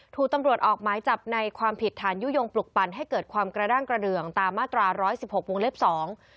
ถูกตำรวจออกหมายจับในความผิดฐานยุโยงปลุกปั่นให้เกิดความกระด้างกระเดืองตามมาตราร้อยสิบหกวงเล็บสอง